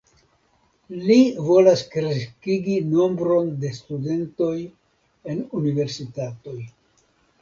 Li volas kreskigi nombron de studentoj en universitatoj.